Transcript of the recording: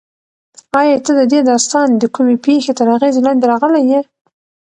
ایا ته د دې داستان د کومې پېښې تر اغېز لاندې راغلی یې؟